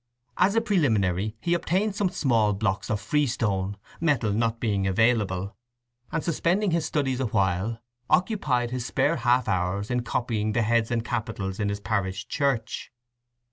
As a preliminary he obtained some small blocks of freestone, metal not being available, and suspending his studies awhile, occupied his spare half hours in copying the heads and capitals in his parish church.